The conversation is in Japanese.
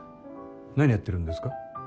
何やってるんですか？